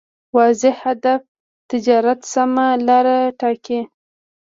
واضح هدف تجارت سمه لاره ټاکي.